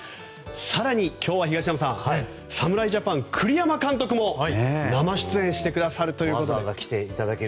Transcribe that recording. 更に、今日は東山さん侍ジャパンの栗山監督も生出演してくださります。